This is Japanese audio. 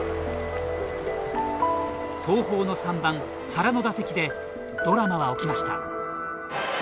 東邦の３番原の打席でドラマは起きました。